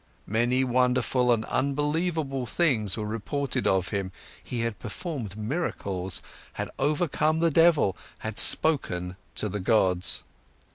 Many wonderful and unbelievable things were reported of him, he had performed miracles, had overcome the devil, had spoken to the gods.